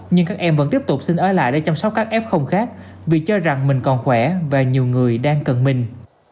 nhưng các em vẫn tiếp tục xin ở lại để chăm sóc các f khác vì cho rằng mình còn khỏe và nhiều người đang cần mình